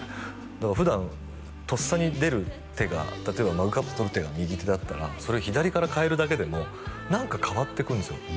だから普段とっさに出る手が例えばマグカップ取る手が右手だったらそれを左から変えるだけでも何か変わっていくんですよ